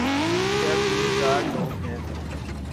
کیا دین دار لوگ ہیں۔